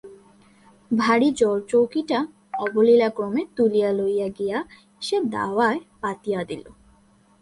ভারী জলচৌকিটা অবলীলাক্রমে তুলিয়া লইয়া গিয়া সে দাওয়ায় পাতিয়া দিল।